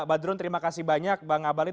badrun terima kasih banyak bang abalin